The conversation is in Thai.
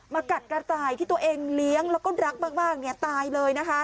กัดกระต่ายที่ตัวเองเลี้ยงแล้วก็รักมากตายเลยนะคะ